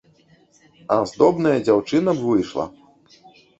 Аздобная дзяўчына б выйшла.